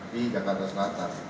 di jakarta selatan